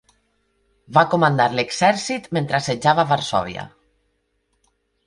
Va comandar l'exèrcit mentre assetjava Varsòvia.